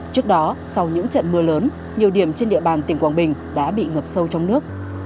trước đó sau những trận mưa lớn nhiều điểm trên địa bàn tỉnh quảng bình đã bị ngập sâu trong nước